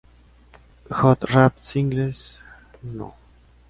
Hot Rap Singles No.